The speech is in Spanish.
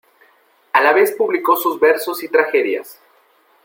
A la vez publicó sus versos y tragedias.